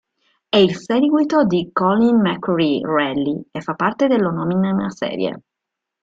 È il seguito di "Colin McRae Rally" e fa parte dell'omonima serie.